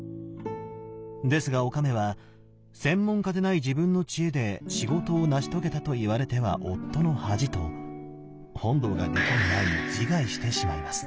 ですがおかめは「専門家でない自分の知恵で仕事を成し遂げたと言われては夫の恥」と本堂が出来る前に自害してしまいます。